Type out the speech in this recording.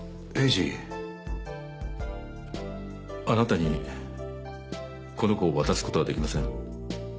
あなたにこの子を渡すことはできません。